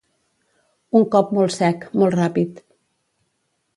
Un cop molt sec, molt ràpid.